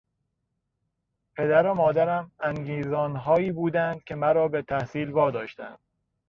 پدر و مادرم انگیزانهایی بودند که مرا به تحصیل وا داشتند.